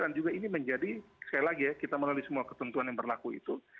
dan juga ini menjadi sekali lagi ya kita melalui semua ketentuan yang berlaku itu